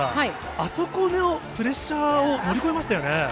あそこのプレッシャーを乗り越えましたよね。